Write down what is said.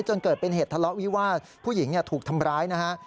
จนเกิดเป็นเหตุทะเลาะวิวาสผู้หญิงถูกทำร้ายนะฮะ